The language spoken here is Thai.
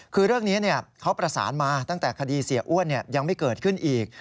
คือเรื่องนี้เขาประสานมาตั้งแต่คดีเสียอ้วนยังไม่เกิดขึ้นอีก